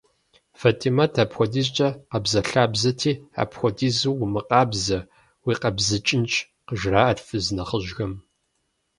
Фэтимэт апхуэдизкӏэ къабзэлъабзэти, «апхуэдизу умыкъабзэ, уикъабзыкӏынщ» къыжраӏэрт фыз нэхъыжьхэм.